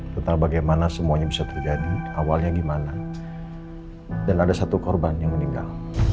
tentang bagaimana semuanya bisa terjadi awalnya gimana dan ada satu korban yang meninggal